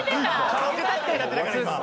カラオケ大会になってたから今。